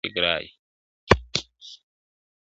• ستا د لپي په رڼو اوبو کي گراني .